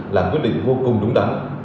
là quyết định vô cùng đúng đắn